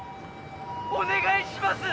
☎お願いします